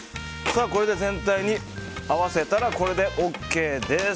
これで全体に合わせたらこれでＯＫです。